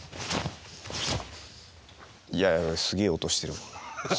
すげえ音してる。